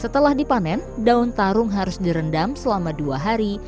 setelah dipanen daun tarung harus direndam selama dua hari